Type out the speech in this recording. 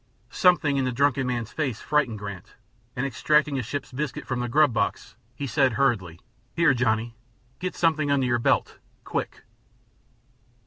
Something in the drunken man's face frightened Grant and, extracting a ship's biscuit from the grub box, he said, hurriedly: "Here, Johnny. Get something under your belt, quick."